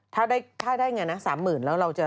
ถ้าได้อย่างไรนะ๓หมื่นแล้วเราจะ